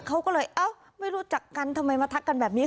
เขาก็เลยเอ้าไม่รู้จักกันทำไมมาทักกันแบบนี้